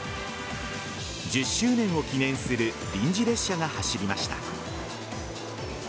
１０周年を記念する臨時列車が走りました。